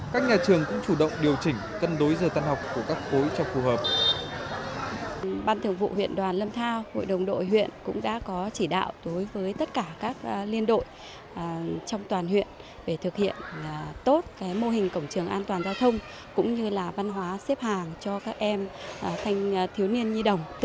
các nhà trường cũng chủ động điều chỉnh cân đối giờ tan học của các khối cho phù hợp